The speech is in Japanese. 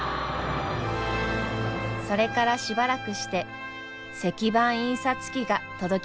それからしばらくして石版印刷機が届きました。